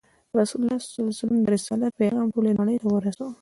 رسول الله د رسالت پیغام ټولې نړۍ ته ورساوه.